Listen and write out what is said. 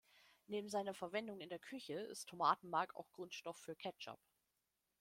Neben seiner Verwendung in der Küche ist Tomatenmark auch Grundstoff für Ketchup.